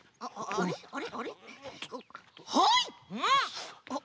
あれあれ？